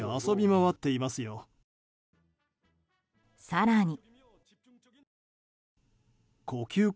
更に。